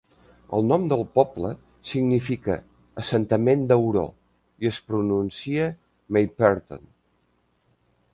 El nom del poble significa "assentament d"auró" i es pronuncia "Mayperton".